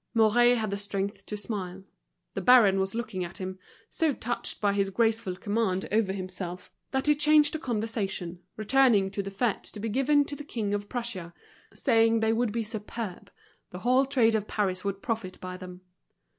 Mouret had the strength to smile. The baron was looking at him, so touched by his graceful command over himself that he changed the conversation, returning to the fetes to be given to the King of Prussia, saying they would be superb, the whole trade of Paris would profit by them.